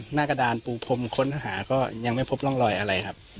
กระดานปูพรมค้นหาก็ยังไม่พบร่องรอยอะไรครับ